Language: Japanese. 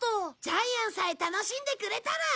ジャイアンさえ楽しんでくれたら。